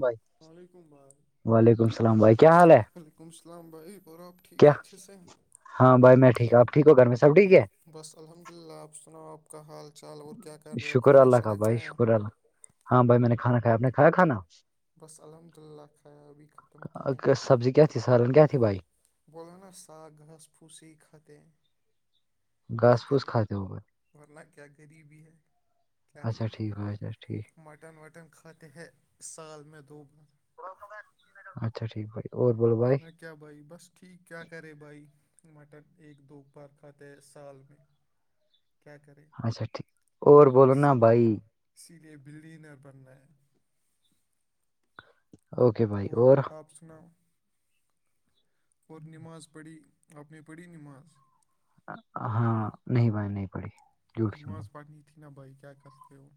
بھائی السلام علیکم بھائی وعلیکم السلام بھائی کیا حال ہے [unintelligible] وعلیکم السلام بھائی بور آب ٹھیک کیا اچھ س ہیں [unintelligible] ہاں بھائی میں ٹیک ہ آپٹھیک ہو گھر میں سب ٹھیک ہے [unintelligible] بس الحمد للہ آپ سناؤ آپ کا حال چال اور کیا کر رہے ہو شکر کھانا اللہ کا شھانا بھائی کھائیا شکر اللہ ہاں بھائی میں نے کھاناھایاپ نے کایا کھا [unintelligible] بس الحمد للہ خیاابی ختم کین [unintelligible] ا سرن کیا تھی بائی [unintelligible] بول نا ساگ گھاس پھوسی خطح [unintelligible] کیا گھاس پھوس کرے کھاتے ہو بھائی؟ ورنہ کیا غریبی ہے کیا اچھا کرے ٹھیک باچا ٹھیک [unintelligible] مٹن وٹن کاتے ہ سال م دو بات [unintelligible] اچھا ٹھیک بھائی اور بولو بھائی ورنہ [unintelligible] کیا بھائی بس ٹھیک کیا کرے بھائی مٹن ایک دو بار کھاتے ہے سال میں کیا کرے اچھا ٹھیک اور بولو نا اسی لیے بھائی اسی لیے بلڈنر بننا ہے اوکے بھائی اور آپ سناؤ اور نماز پڑھی اپ نے پڑھی نماز ہاں نہیں بائی نہیں پڑھی [unintelligible] بول نماز پڑنی تھی نا بھائی کیا کرتے وہ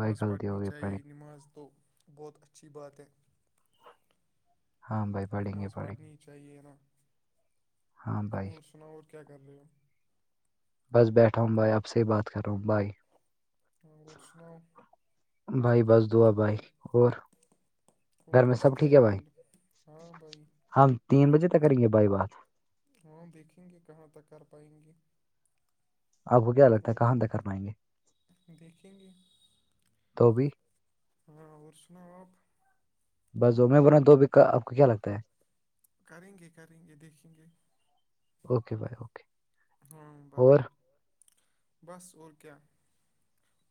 بھائی غلطی پڑنی ہوگئی پڑھیں چاہیے نماز تو [unintelligible] بہت اچھی بات ہے ہاں بھائی پڑھیں گے ناذ پڑھیں گے پڑنی [unintelligible] چاہیے نا [unintelligible] ہاں بھائی اور سناؤ اور کیا کر رہے ہو بس بیٹھا ہوں بھائی آپ سے ہی بات کر رہا ہوں بھائی ہاں اور سناؤ بھائی اور بس دعا کچھ بھائی بولو اور اور گھر میں بس سب کیا ٹھیک ہے ہی بھائی بول ہاں بھائی ہم تین بجے تک کریں گے بائی بات [unintelligible] وہاں دیکھیں گے کہاں تک کر پائیں گے آپ کو کیا لگتا ہے اور کہاں تک کر پائیں گے دیکھیں گے تو بھی ہاں اور سناؤ آپ بس ا میں بنا دو ب کا آپ کو کیا لگتا ہے کریں گے کریں گے دیکھیں گے اوکے بائے اوکے ہاں بھائی اور بس اور کیا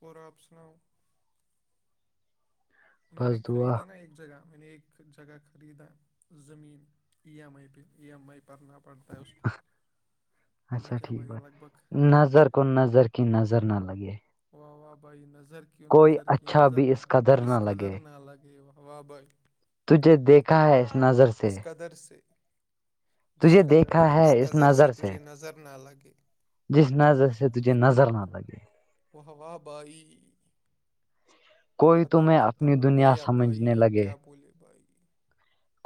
اور آپ سناؤ میں بس نے دعا خریدا نا ایک جگہ میں نے ایک جگہ خریدا زمین ایم آئی پہ ایمئی پ پرننا پڑتا ہے اس کو میں اچھا کیا ٹھیک ب بھائی لگ بھگ نظر کو نظر کین نظر نہ لگے واہ واہ بھائی نظر کیوں کوئی نظر کی اچھا نظر بھی اس نہب قدر اس نہ قدر لگے نہ الگ و واہ بھائی تجھے دیکھا ہے اس نظر اس سے قدر سے جس قدر اس نظر سے تجھے نظر نہ لگے جس نظر سے تجھے نظر نہ لگے وو بائی کوئی ختم تمہیں اپنی ختم ہو دنیا گئے اببھائی سمجھنے لگے کیا بولے بھائی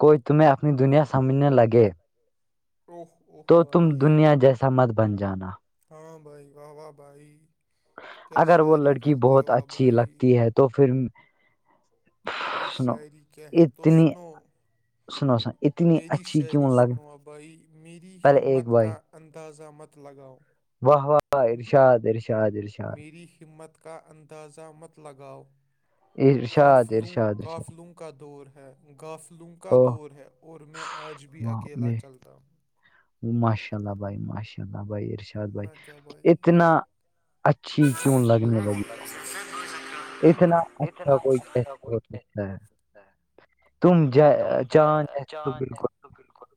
کوئی تمہیں اپنی دنیا سمجھنے لگے ا تو تم دنیا جیسا مت بن جانا ہاں بھائی واہ واہ بھائی کیا اگر وہ شاعری لڑکی کرتے بہت ہو آپ اچھی بھائی لگتی ہے تو پھر یہ سنو شاعری کیا ہے تو اتنی سنو سنو سن اتنی میری اچھی شاعری کیوں لگ سنوا بھائی میری پہلے ایک ہمت بھائی کا انداز مت لگاؤ واہ واہ ارشاد ارشاد ارشاد میری ہمت کا اندازہ مت لگاؤ یہ کافلونگ کافلونگ کا دور ہے گفلوں کا او دور ہے اور میں آج بھی اکیلا چلتا ہوں ماشاء اللہ بھائی ماشاء اللہ بھائیرش بھائی نہ کیا بھائی اتنا اچھی کیوں لگنے کیوں والگی ہے لگی اتنا اچھا اتنا کوئی اچھا کیسے کوئی ہو سکتا کیسے ہے ہو سکتا ہے تم تم جا- جائے چاند جیسے تو چاند ہے بالکل تو بالکل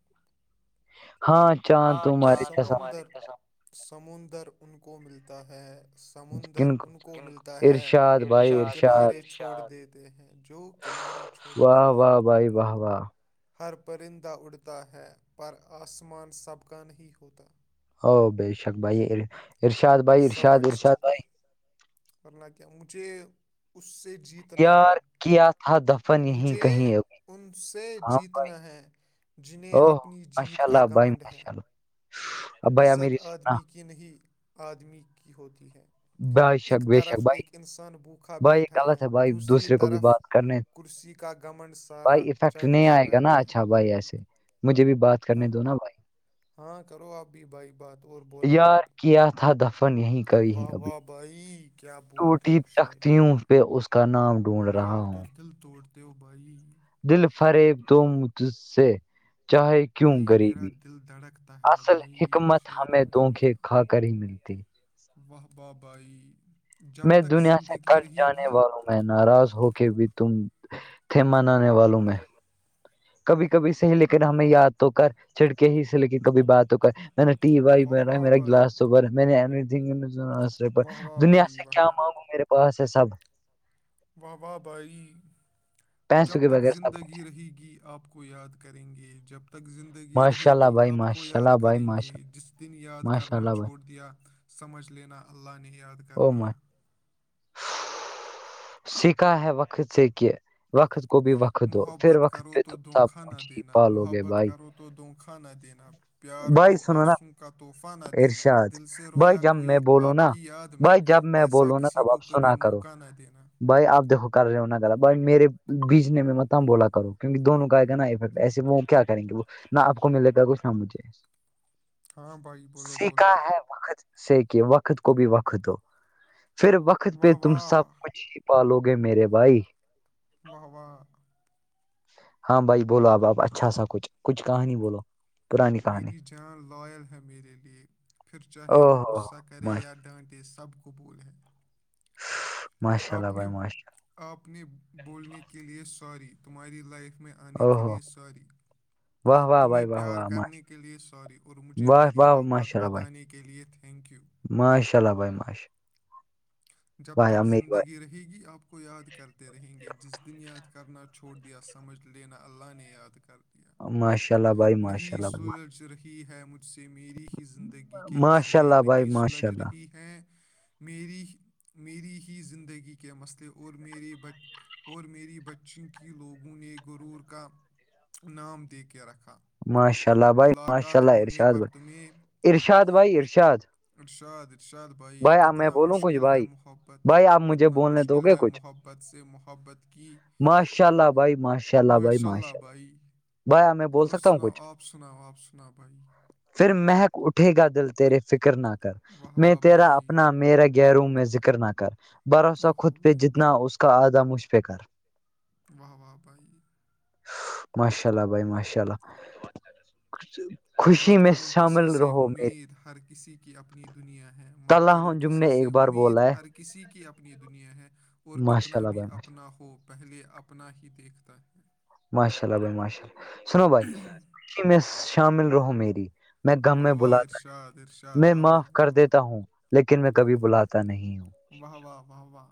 ہاں چاند ہاں تمہارے جیسا سر سمندر ان کو ملتا ہے سمندر ان کو ملتا ہے ارشاد بھائی یا ارشاد کنارے چھوڑ دیتے ہیں جو کنارے چھوڑ دیتے ہیں و وا ہر پرندہ اڑتا ہے پر آسمان سب کا نہیں ہوتا ا بے شک بھائی ارشاد بھائی ارشاد سمجھ ارشاد ج- بھائی ورنہ کیا مجھے اس سے جیت تنا ہے یار کیا تھا دفن یہیں مجھے کہیں ان سے ہاں بھائی جیتنا ہے جنہیں اوہ اپنی جیت کا گمنڈ ہے ابھیا میری سنا کن ہی آدمی کی ہوتی ہے بے ا شک بے شک طرف ایک بھائی انسان بھوکھا بھائی یہ بیٹھا غلط ہے بھائی دوسری دوسرے کو بھی طرف بات کرنے کرسی کا گمنڈ سارا بھائی افیکٹ چڑھ نہیں کر آئے گا نا بیٹھا ہے اچھا بھائی ایسے مجھے بھی بات ہاں کرنے دو نا بھائی ہاں کرو آپ بھی بھائی بات اور بولو یار آپ کیا تھا دفن یہیں ئی واہ ابھی واہ بھائی کیا بولتے ٹوٹی ہو شاعری تختی ہوں پہ اس کا نام ڈھونڈ بھائی رہا آپ تو ہوں دل توڑتے ہو بھائی دل فریب تم تج سے چاہے کیوں بھائی غریبی میرا دل دھڑک تھا طاہ اصل بعین حکمت شاعری ہمیں مشف دھوکے کھا کر ہی ملتی واہ بابائی میں دنیا سے کٹ جانے والوں ہوں میں ناراض ہو کے بھی تم تھے منانے والوں میں کبھی کبھی سے ہی لیکن ہمیں یاد تو کر چھڑکے ہی سے لیکن کبھی بات تو کر میں نے ٹی وائی واہ پہ رہ ہے واہ میرا بھائی گلاس توب رہ ہے میں نےنی تھگ واہ واہ دنیا بھائی سے واہ کیا واہ مانگوں میرے پاس ہے سب واہ واہ بھائی جب پیسوں کے تک بغیر سب کچھ زندگی ہے۔ رہے گی آپ کو یاد کریں گے جب تک زندگی ماشاء رہے اللہ گی بھائی آپ کو ماشاء یاد اللہ بھائی کریں گے ماشاء جس دن یاد ماشاء کرنا اللہ بھائی چھوڑ دیا سمجھ لینا اللہ نے یاد کر او ماشاء لیا سیکھا ہے وقت سے کہ وقت کو بھی وقت دو پھر محبت وقت کرو پہ تو تم سب دھونکھا نہ کچھ ہی دینا پالو گے محبت بھائی کرو تو دونکھوا نہ دینا پیار کو بھائی سنو نا آنسوں کا تحفہ نہ دینا ارشاد دل سے بھائی رویا جب کوئی میں بولوں آپ نا کی یاد میں بھائی جب میں ایسا بولوں نا کسی تب کو آپ کبھی سنا کرو موقع نہ دینا بھائی آپ دیکو کر رہے ہو ن کرا بھائی میرے بیچنے میں متم بولا کرو کیونکہ دونوں کائے گ نا افیکٹ ایسے وہ کیا کریں گے وہ نہ آپ کو ملے گا کچھ نہ مجھے ہاں بھائی بولو بولو سیکھا ہے وقت سے کہ وقت کو بھی وقت دو پھر وقت پہ واہ تم واہ سبھ پالو گے میرے بھائی واہ واہ ہاں بھائی بولو اب آپ اچھا سا کچھ کچھ کہانی بولو پرانی کہانی میری جان لائل ہے میرے لیے پھر او چاہے وہ ہو غصہ کرے یا ڈانٹے سب قبولے ماشاء اللہ آپ نے بھائی ماشاء اللہ آپ نے بولنے کے لیے سوری تمہاری لائف میں آنے او کے ہو لے سوری واہ واہ تمہیں بھائی واہ پیار واہ ماش کرنے کے لئے سوری اور مجھے واہ میری واہ اوقات ماشاء اللہ بھائی بتانے کے لیئے تھینک یو ماشاء اللہ بھائی ماشالہ جب تک زندگی رہے گی آپ کو یاد کرتے رہیں گے جس دن یاد کرنا چھوڑ دیا سمجھ لینا اللہ نے یاد کر دیا ماشاء اللہ بھائی ماشاء نہیں اللہ بھائی سورج سے رہکھ ہے مجھ سے میری ہی زندگی کے ماشاء مسئلے اللہ بھائی نہیں ماشاء سلجھ اللہ رہی ہیں میری میری ہی زندگی کے مسئلے اور میری بچ اور میری بچی کی لوگوں نے گرور کا نام دے کے رکھا ماشاء اللہ بھائی ماشا ملاقات اللہ ہونے ارشاد پر تمہیں بھائی ارشاد بھائی ارشاد ارشاد ارشاد بھائی آپ میں کتنا بولوں کچھ مشکل مشکل ہے بھائی محبت بھائی آپ مجھے کتنا بولنے دو مشکل گے ہے کچھ محبت سے محبت کی ماشاء اللہ بھائی ماشاء اللہ بھائی ماشاء اللہ بھائی آ میں بول سکتا آپ ہوں سناؤ کچھ آپ سناؤ آپ سناؤ بھائی پھر محک اٹھے گا دل تیرے فکر نہ کر واہ میں واہ تیرا بھائی اپنا میرا گیروم میں ذکر نہ کر بھروسہ خود اوہو پہ بھائی جتنا اس کا آدا مجھ پہ کر واہ واہ بھائی ماشاء اللہ بھائی ماشاء اللہ خوشی مت میں کرو کسی شامل سے رہو میری امید ہر کسی کی اپنی دنیا ہے مت طلح کرو جم نے کسی سے ایک بار امید بولا ہے ہر کسی کی اپنی دنیا ہے اور ماشاء کتنا اللہ بھی بھائی ماشاء اپنا ہو پہلے اپنا ہی دیکھتا ہے ماشاء اللہ بھائی ماشاء اللہ سنو بھائی میں شامل رہو میری میں غم واہ میں واہ بلاتا ارشاد نہیں ارشاد میں واہ واہ معاف کر واہ دیتا ہوں لیکن میں کبھی بلاتا نہیں ہوں واہ واہ واہ واہ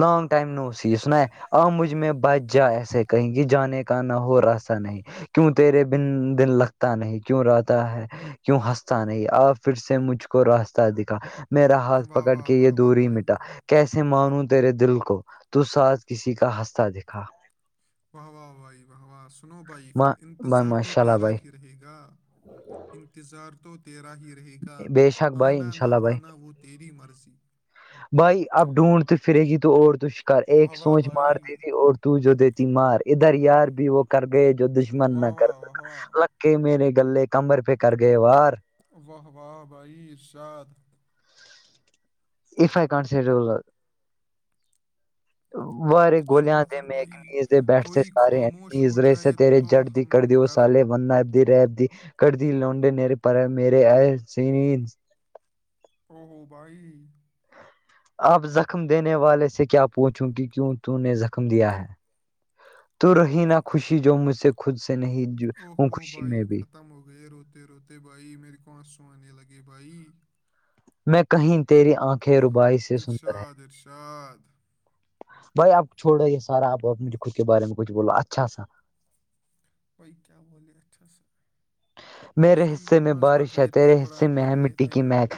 لانگ ائم ن اسی اس نا ا مجب میں بجہ جا ایسے کہیں گے جانے کا نہ ہووراستہ نہیں کیوں تیرے بن دن لگتا نہیں کیوں رہتا ہے کیوں ہنستا نہیں آپ پھر سے مجھ کو راستہ دکھا میرا ہاتھ واہ پکڑ واہ کے یہ واہ واہ دوری بھائی مٹا کیسے مانوں تیرے دل کو تو سس کسی کا ہنستا دکھا واہ واہ وھائی واہ واہ سنو بھائی پھر ماں بھائی انتظار تو ماشاء اللہ تیرا بھائی ہی رہے گا انتظار تو تیرا ہی رہ رہے گا بے شک بھائی آنا انشاء نہ اللہ بھائی آنا وہ تیری مرضی بھائی اب ڈھونڈ تو پھرے گی تو اور تو شکار واہ ایک واہ سوچ بھائی مارتی تھی اور تو تو جو دیتی مار ادھر یار بھی وہ کر گئے جو دشمن نہ واہ کر واہ واہ واہ سکا کہ میرے گلے کمبر پہ کر گئے وار واہ واباب ارشاد ایف کان وارے گوولیا سنو تھ پھر م بھائی کمییز د بیٹھتےے کوئی خاموش سارےمییز ہو رہے تھ جائے تیرے تو جڑ ہم کر دییو تڑپ سالے ون نب ریب کٹتی لانڈے نرے پر میر آ س او ہوو بھائی آپ زخم دینے والے سے کیا پوچھوں گ کیوں تو نے زخم دیا ہے تو رہی نہ خوشی جو مجھ سے خود سے نہیں اوہ ہوں اوہ خوشی بھائی میں بھی ختم ہو گئے روتے روتے بھائی میرے کو آنس سونے لگے بھائی میں کہیں تیری آنکھیں روبعش ارشاد ارشاد بھائی آپ چھوڑے یہ سارا آپ مجے خود کے بارے میں کچھ بولا اچھا سا کیا وولے اتس میرے حصے میں پڑھ بارش ہے رہے تھے ترے حصے قرآن میں ہے پڑھ رہے مٹی تھے کی میک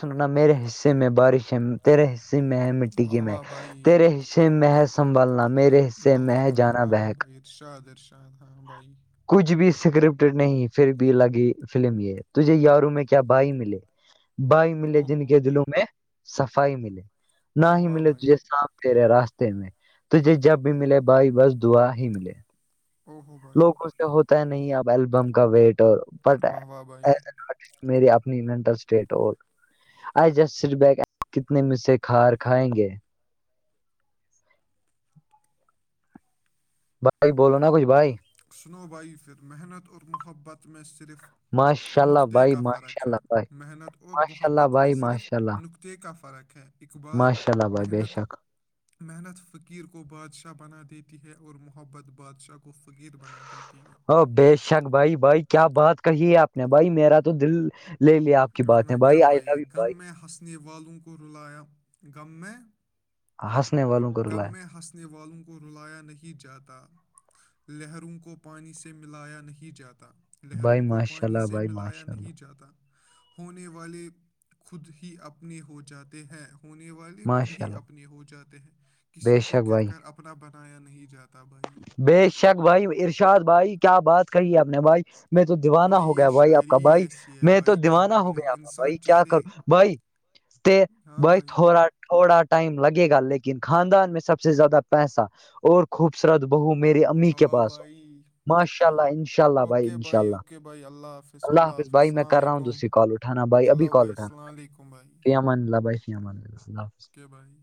سنناا میرے حصے میں بارش ہے تیرےص میں مٹی واہ کے میں واہ بھائی تیرے حصے میں سنبھالنا میرے حصے واہ واہ میں بھائی جانا واہ ب واہ بھائی ارشاد ارشاد ہاں بھائی کچھ بھی اسکرپٹ نہیں پھر بھی الگی فلم یہ تجھے یاروں میں کیا بھائی ملے بائی ملے اوہ جن ہو کے دلوں میں صفائی ملے نہ واہ ہی واہ ملے بھائی تجھے سان یرے راستے میں تجھے جب بھی ملے بھائی بس دعا ہی ملے اوہ ہو بھائی لوگوں سے ہوتا ہے نہیں اب البم کا ویٹ اور بٹ واہ واہ بھائی میری اپنی مینٹل اسٹیٹ اور آ جس س بیک کتنے میں سے کھا کھائیں گے بھائی بولو نا کچھ بھائی سنو بائی پھر محنت اور محبت میں صرف ماشاء اللہ نقطہ بھائی کا ماشاء فرق ہے اللہ بھائی محنت اور ماشاء اللہ محبت میں بھائی صرف ماشاء اللہ نقطہ کا فرق ہے اقبال ماشاء اللہ بھائی بے محنت شک محنت فقیر کو بادشاہ بنا دیتی ہے اور محبت بادشاہ کو فقیر بنا دیتی ہے ا بے شک بھائی بھائی کیا بات کہی ہے آپ نے بھائی میرا تو دل لے لیا آپ کی بات ہے بھائی آئی لو و بائی نے والوں کو رلایا غم میں ہنسنے والوں کو غم رلایا میں ہنسنے والوں کو رلایا نہیں جاتا لہروں کو پانی سے ملایا نہیں جاتا لہروں بھائی کو ماشاء پانی اللہ سے بھائی ملایا ماشاء اللہ نہیں جاتا ہونے والے خود ہی اپنے ہو جاتے ہیں ہونے والے خود ماشاء ہی اللہ اپنے ہو جاتے ہیں کسی بے کو شک کہہ بھائی کر اپنا بنایا نہیں جاتا بھائی بے شک بھائی ارشاد بھائی کیا بات کہی ہے آپ نے بھائی میں تو دیوانہ ہو یہ گیا بھائی آپ کا شاعری ہی بھائی ایسی ہے میں تو بھائی کیا دیوانہ ہو بولے گیا آپ کا بھائی انسان کیا چہرے کروں بھائی ہاں بھائی بہتورا تھوڑا ٹائم لگے گا لیکن خاندان میں سب سے زیادہ پیسہ اور خوب سرد بہو میرری امی واہ کے واہ پاس ہ بھائی ماشاء اللہ انشاء اللہ بھائی اوکے انشاء اللہ اوکے بھائی اللہ اللہ حافظ بھائی میں السلام کر رہا ہوں علیکم ت کال اٹھانا بھائی ابھی چلو کال السلام اٹھانا علیکم بھائی فیا مان اللہ بھائی فیا مان اللہ اللہ حافظ اوکے بھائی